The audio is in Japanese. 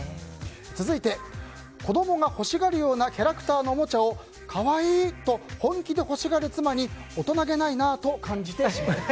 続いて、子供が欲しがるようなキャラクターのおもちゃを可愛いと本気で欲しがる妻に大人げないなと感じてしまいます。